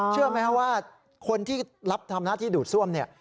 เชื่อไหมว่าคนที่รับธรรมดาที่ดูดซ่วมเนี่ย